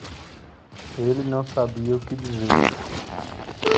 Ele não sabia o que dizer.